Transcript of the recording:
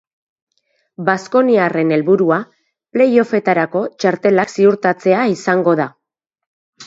Baskoniarren helburua playoffetarako txartela ziurtatzea izango da.